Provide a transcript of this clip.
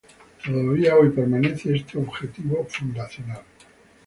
Todavía hoy permanece este objetivo fundacional"".